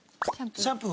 シャンプー？